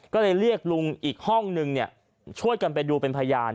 ก็เลยเรียกลุงอีกห้องนึงช่วยกันไปดูเป็นพยาน